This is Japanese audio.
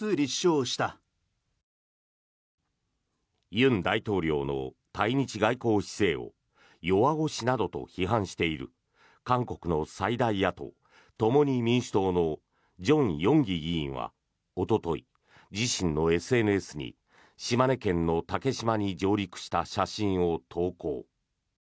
尹大統領の対日外交姿勢を弱腰などと批判している韓国の最大野党・共に民主党のジョン・ヨンギ議員はおととい自身のＳＮＳに、島根県の竹島に上陸した写真を投稿。